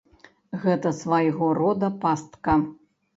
Гэта свайго рода пастка.